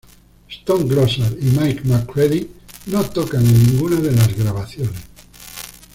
Stone Gossard y Mike McCready no tocan en ninguna de las grabaciones.